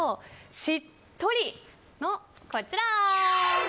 しっっっとり！のこちら。